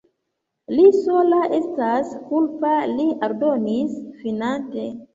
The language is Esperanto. Li sola estas kulpa, li aldonis finante.